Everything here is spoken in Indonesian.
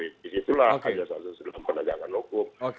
disitulah ajaran ajaran penegakan hukum